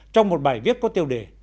trong một bài viết có tiêu đề